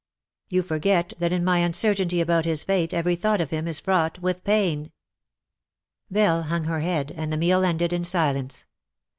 You forget that in my uncer tainty about his fate, every thought of him is fraught with pain.^'' Belle hung her head, and the meal ended in silence.